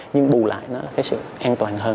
nhưng bù lại nó là cái sự an toàn hơn